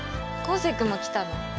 昴生君も来たの？